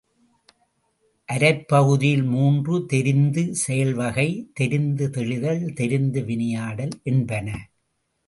அரைப்பகுதியில் மூன்று தெரிந்து செயல்வகை, தெரிந்து தெளிதல், தெரிந்து வினையாடல்—என்பன.